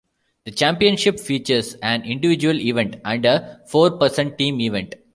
The championships features an individual event and a four-person team event.